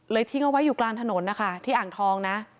ทิ้งเอาไว้อยู่กลางถนนนะคะที่อ่างทองนะ